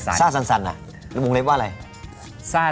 ซ่าสั่นหรอวงเล็บว่าอะไร